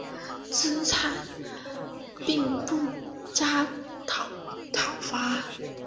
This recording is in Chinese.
子产并不加讨伐。